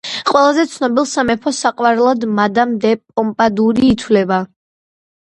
ყველაზე ცნობილ სამეფო საყვარლად მადამ დე პომპადური ითვლება.